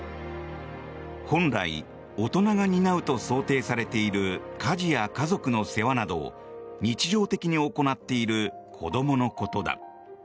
本来大人が担うと想定されている家事や家族の世話などを日常的に行っている子どものことだ。